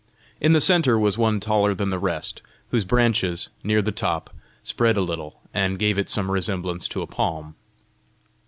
In the centre was one taller than the rest, whose branches, near the top, spread a little and gave it some resemblance to a palm.